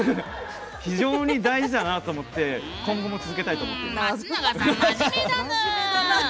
非常に大事だなと思って今後も続けたいと思います。